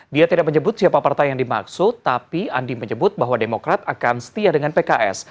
dia tidak menyebut siapa partai yang dimaksud tapi andi menyebut bahwa demokrat akan setia dengan pks